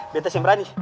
betas yang berani